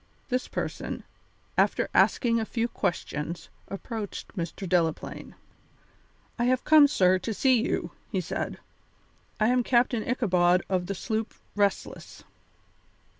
This person, after asking a few questions, approached Mr. Delaplaine. "I have come, sir, to see you," he said. "I am Captain Ichabod of the sloop Restless."